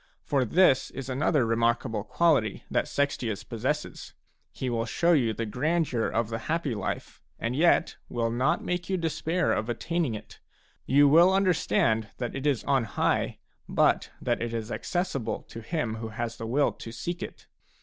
For this is another remarkable quality that Sextius possesses : he will show you the grandeur of the happy life and yet will not make you despair of attaining it ; you will understand that it is on high, but that it is accessible to him who has the will to seek it.